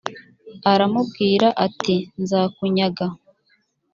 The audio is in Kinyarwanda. aramubwira ati “nzakunyaga”